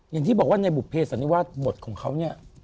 อย่างที่บอกว่าในบุภเพสันนิวาสบทของเขาเนี่ย